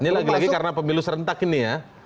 ini lagi lagi karena pemilu serentak ini ya